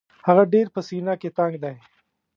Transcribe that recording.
هغه ډېر په سینه کې تنګ دی.